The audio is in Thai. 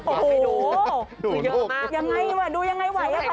โอ้โหดูยังไงไหวละคะเนี่ย